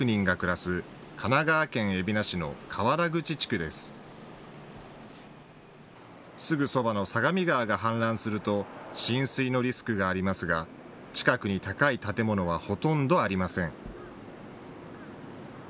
すぐそばの相模川が氾濫すると浸水のリスクがありますが近くに高い建物はほとんどありません。